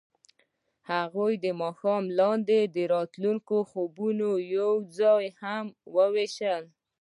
هغوی د ماښام لاندې د راتلونکي خوبونه یوځای هم وویشل.